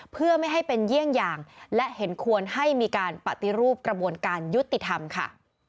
เพื่อไม่ให้เป็นเยี่ยงอย่างและเห็นควรให้มีการปฏิรูปกระบวนการยุติธรรมค่ะ